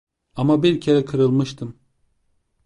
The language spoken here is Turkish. Ama bir kere kırılmıştım.